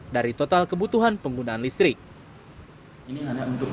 dari total kebutuhan penggunaan listrik